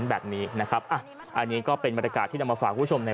แบบนี้นะครับอ่ะอันนี้ก็เป็นบรรยากาศที่นำมาฝากคุณผู้ชมใน